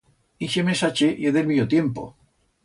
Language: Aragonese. Ixe mesache ye d'el mío tiempo.